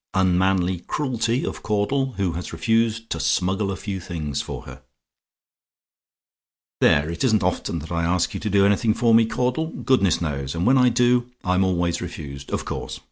"UNMANLY CRUELTY" OF CAUDLE, WHO HAS REFUSED "TO SMUGGLE A FEW THINGS" FOR HER "There, it isn't often that I ask you to do anything for me, Mr. Caudle, goodness knows! and when I do, I'm always refused of course.